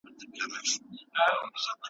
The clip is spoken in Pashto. ملکي وګړي د نړیوالي ټولني بشپړ ملاتړ نه لري.